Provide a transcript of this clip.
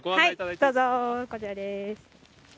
どうぞ、こちらです。